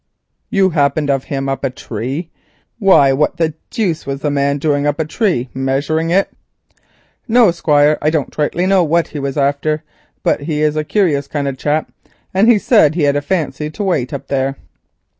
"You happened of him up a tree. Why what the deuce was the man doing up a tree—measuring it?" "No, Squire, I don't rightly know what he wor after, but he is a curious kind of a chap, and he said he had a fancy to wait there."